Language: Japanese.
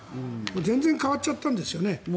全然変わっちゃったんですよね。